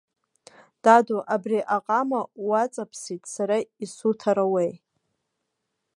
Даду, абри аҟама уаҵаԥсит, сара исуҭарауеи!